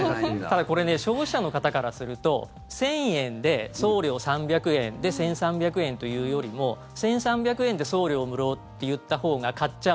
ただこれ消費者の方からすると１０００円で送料３００円１３００円というよりも１３００円で送料無料って言ったほうが買っちゃう。